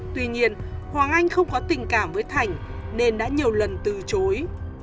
tuy nhiên hoàng anh không có tình cảm với thành nên đã nhiều lần từ chối